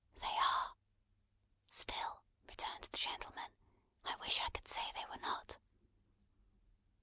"They are. Still," returned the gentleman, "I wish I could say they were not."